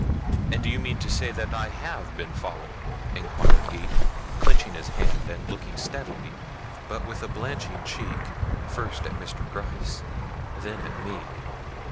"And do you mean to say that I have been followed," inquired he, clenching his hand and looking steadily, but with a blanching cheek, first at Mr. Gryce then at me.